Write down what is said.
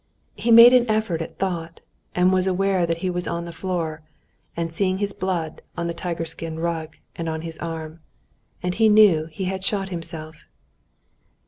He made an effort at thought, and was aware that he was on the floor; and seeing blood on the tiger skin rug and on his arm, he knew he had shot himself.